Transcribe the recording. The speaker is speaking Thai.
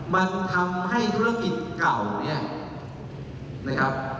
มันทำให้ธุรกิจเก่า